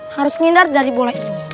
harus ngindar dari bola ini